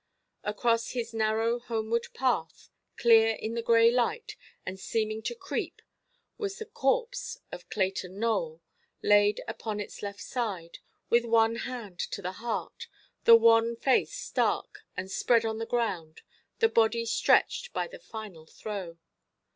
Across his narrow homeward path, clear in the grey light, and seeming to creep, was the corpse of Clayton Nowell, laid upon its left side, with one hand to the heart, the wan face stark and spread on the ground, the body stretched by the final throe.